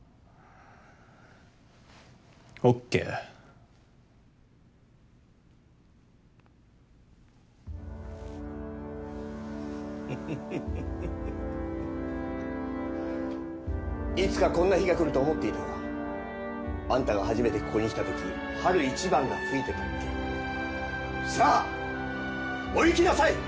オーケーふふふふっいつかこんな日が来ると思っていたわあんたが初めてここに来たとき春一番が吹いてたっけさあお行きなさい！